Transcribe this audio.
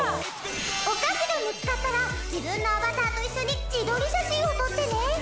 お菓子が見つかったら自分のアバターと一緒に自撮り写真を撮ってね。